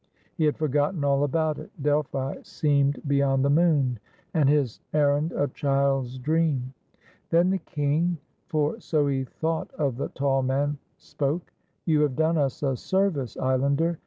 He had forgotten all about it. Delphi seemed beyond the moon, and his er rand a child's dream. Then the king, for so he thought of the tall man, spoke :— "You have done us a service, islander.